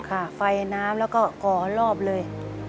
ค่ะไฟน้ำแล้วก็ก่อรอบเลย